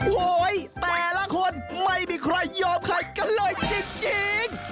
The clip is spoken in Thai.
โอ้โหแต่ละคนไม่มีใครยอมใครกันเลยจริง